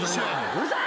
うるさい！